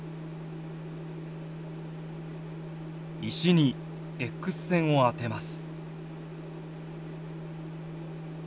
石にＸ線を当てます。